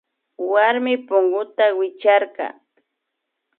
Warmi punguta wichkarka